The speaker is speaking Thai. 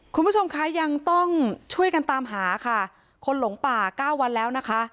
คุณผู้ชมคะยังต้องช่วยกันตามหาค่ะคนหลงป่าเก้าวันแล้วนะคะ